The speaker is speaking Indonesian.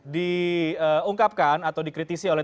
diungkapkan atau dikritisi oleh